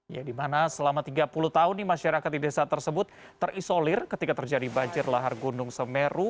ya dimana selama tiga puluh tahun masyarakat di desa tersebut terisolir ketika terjadi banjir lahar gunung semeru